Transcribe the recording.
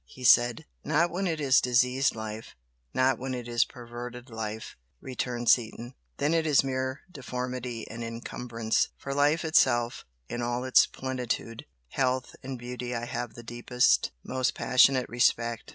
he said. "Not when it is diseased life not when it is perverted life;" returned Seaton "Then it is mere deformity and encumbrance. For life itself in all its plenitude, health and beauty I have the deepest, most passionate respect.